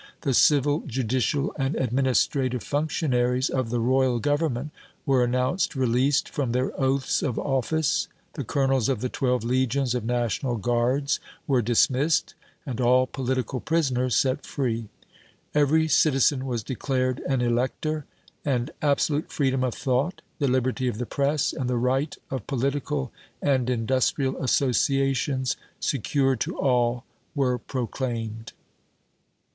The civil, judicial and administrative functionaries of the Royal Government were announced released from their oaths of office, the colonels of the twelve legions of National Guards were dismissed, and all political prisoners set free. Every citizen was declared an elector, and absolute freedom of thought, the liberty of the press, and the right of political and industrial associations secured to all were proclaimed.